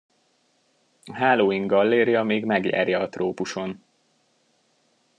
A hálóing gallérja még megjárja a trópuson.